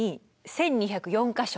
１，２０４か所。